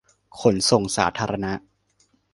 ขนส่งสาธารณะ